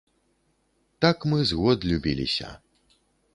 Так мы з год любіліся.